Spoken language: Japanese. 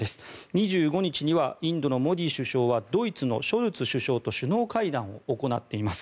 ２５日にはインドのモディ首相はドイツのショルツ首相と首脳会談を行っています。